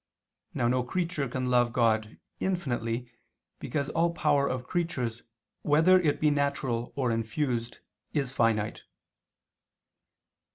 Now no creature can love God infinitely, because all power of creatures, whether it be natural or infused, is finite.